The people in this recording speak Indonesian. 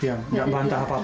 diam enggak bantah apa apa